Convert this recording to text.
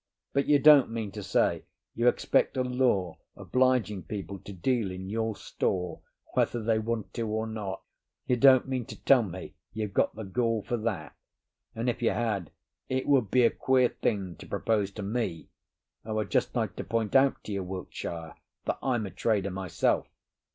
But you don't mean to say you expect a law obliging people to deal in your store whether they want to or not? You don't mean to tell me you've got the gall for that? And if you had, it would be a queer thing to propose to me. I would just like to point out to you, Wiltshire, that I'm a trader myself."